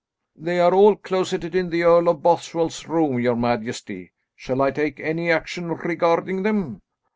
"They are all closeted in the Earl of Bothwell's room, your majesty. Shall I take any action regarding them?"